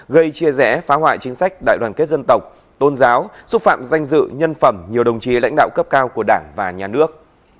gây chia rẽ phá hoại chính sách đại đoàn kết dân tộc tôn giáo xúc phạm danh dự nhân phẩm nhiều đồng chí lãnh đạo cấp cao của đảng và nhà nước